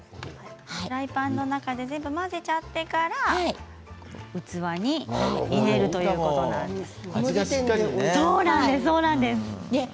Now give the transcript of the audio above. フライパンの中で全部、混ぜちゃってから器に入れるということなんです。